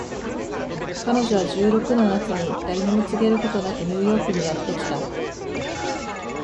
彼女は十六の夏に誰にも告げることなくニューヨークにやって来た